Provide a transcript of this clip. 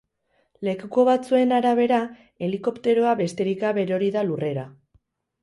Lekuko batzuen arabera, helikopteroa besterik gabe erori da lurrera.